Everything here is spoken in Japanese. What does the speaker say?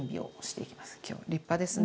今日立派ですね。